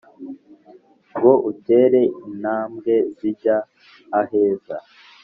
ngo utere intambwe zijya aheza,